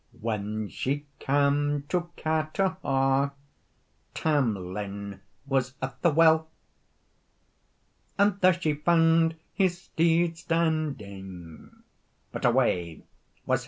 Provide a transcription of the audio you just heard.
When she cam to Carterhaugh, Tam Lin was at the well, And there she fand his steed standing, But away was himsel.